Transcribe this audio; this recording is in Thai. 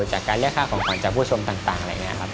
จากการเรียกค่าของขวัญจากผู้ชมต่างอะไรอย่างนี้ครับ